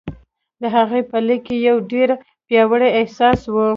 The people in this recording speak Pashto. د هغه په ليک کې يو ډېر پياوړی احساس و.